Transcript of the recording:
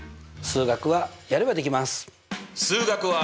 数学はやればできます。